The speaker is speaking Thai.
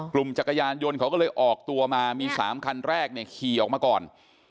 กลุ่มจักรยานยนต์เขาก็เลยออกตัวมามีสามคันแรกขี่ออกมาก่อน